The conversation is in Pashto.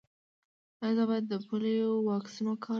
ایا زه باید د پولیو واکسین وکړم؟